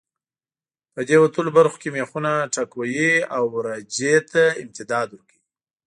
په دې وتلو برخو کې مېخونه ټکوهي او رجه ته امتداد ورکوي.